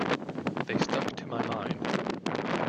They stuck to my mind.